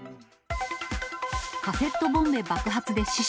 カセットボンベ爆発で死者。